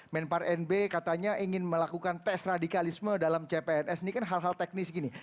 menpar nb katanya ingin melakukan tes radikalisme dalam cpns ini kan hal hal teknis gini